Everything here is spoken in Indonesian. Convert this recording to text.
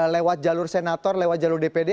lewat jalur senator lewat jalur dpd